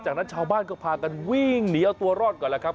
จากนั้นชาวบ้านก็พากันวิ่งหนีเอาตัวรอดก่อนแล้วครับ